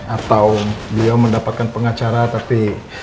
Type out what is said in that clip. atau dia mendapatkan pengacara tapi